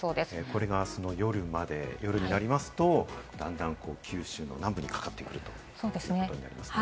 これがあすの夜になりますと、九州の南部にかかってくるということになりますね。